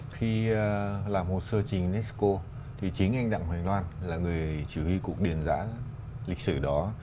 khi làm hồ sơ chính unesco thì chính anh đặng hoàng loan là người chỉ huy cục điền giã lịch sử đó